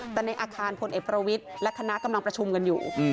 แต่ในอาคารพลเอกประวิทย์และคณะกำลังประชุมกันอยู่